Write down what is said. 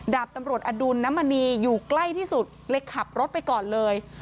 ดาบตำรวจอดุลน้ำมณีอยู่ใกล้ที่สุดเลยขับรถไปก่อนเลย